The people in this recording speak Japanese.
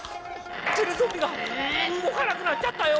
テレゾンビがうごかなくなっちゃったよ！